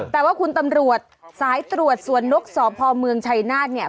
แต่ว่าคุณตำรวจสายตรวจสวนนกสพเมืองชัยนาธเนี่ย